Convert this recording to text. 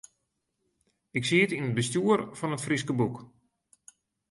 Ik siet yn it bestjoer fan It Fryske Boek.